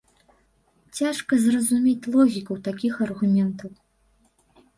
Цяжка зразумець логіку такіх аргументаў.